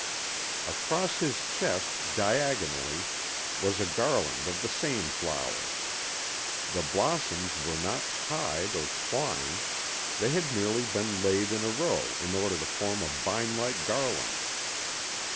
Across his chest, diagonally, was a garland of the same flowers. The blossoms were not tied or twined, they had merely been laid in a row in order to form a vinelike garland.